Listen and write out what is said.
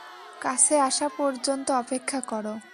কাছে আসা পর্যন্ত অপেক্ষা কর।